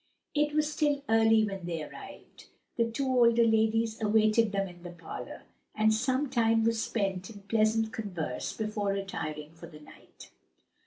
It was still early when they arrived; the two older ladies awaited them in the parlor, and some time was spent in pleasant converse before retiring for the night.